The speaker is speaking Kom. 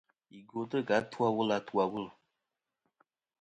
Yi gwotɨ kɨ atu a wul a atu a wul.